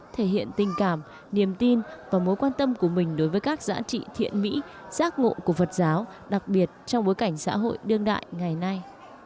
thể hiện tình cảm niềm tin và mối quan tâm của mình đối với các giá trị thiện mỹ giác ngộ của phật giáo đặc biệt trong bối cảnh xã hội đương đại ngày nay